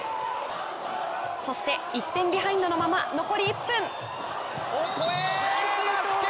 そして１点ビハインドのまま、残り１分。